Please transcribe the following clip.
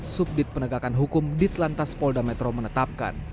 subdit penegakan hukum ditlantas polda metro menetapkan